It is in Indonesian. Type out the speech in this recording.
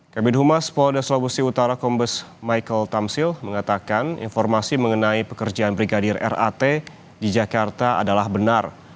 kabin humas polda sulawesi utara kombes michael tamsil mengatakan informasi mengenai pekerjaan brigadir rat di jakarta adalah benar